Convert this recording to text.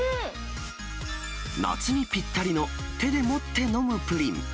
夏にぴったりの手で持って飲むプリン。